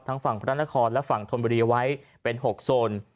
ทั้งฝั่งพระราชนครับและฝั่งธรรมดีไว้เป็น๖โซน